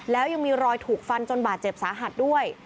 แล้วยังมีรอยถูกฟันจนบาดเจ็บสาหัสด้วย